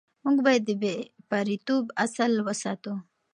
موږ باید د بې پرېتوب اصل وساتو.